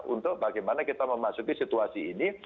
untuk bagaimana kita memasuki situasi ini